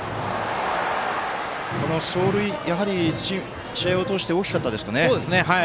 この走塁、やはり試合を通して大きかったですかね。